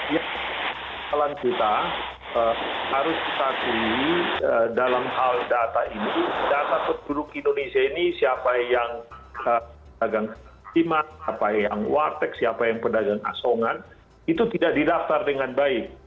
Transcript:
ya pelan kita harus kita akui dalam hal data ini data penduduk indonesia ini siapa yang pedagang warteg siapa yang pedagang asongan itu tidak didaftar dengan baik